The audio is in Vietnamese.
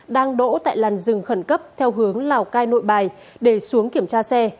đang đỗ tại làn rừng khẩn cấp theo hướng lào cai nội bài để xuống kiểm tra xe